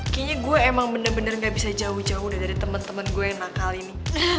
kayaknya gue emang bener bener gak bisa jauh jauh dari temen temen gue yang nakal ini